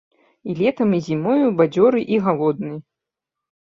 І летам і зімою бадзёры і галодны.